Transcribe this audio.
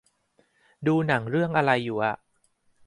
ดูหนังเรื่องอะไรอยู่อะ